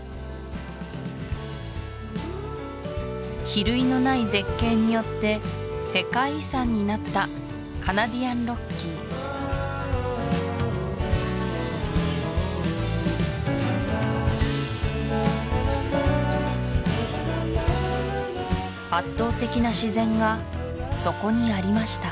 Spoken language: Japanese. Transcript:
比類のない絶景によって世界遺産になったカナディアンロッキー圧倒的な自然がそこにありました